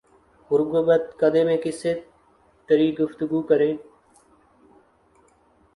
غربت کدے میں کس سے تری گفتگو کریں